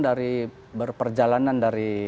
dari berperjalanan dari